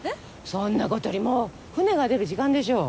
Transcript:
そんなことよりもう船が出る時間でしょう。